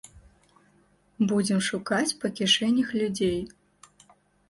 Будзем шукаць па кішэнях людзей.